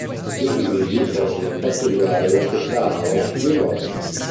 Gli individui possono pattugliare la stessa area più volte.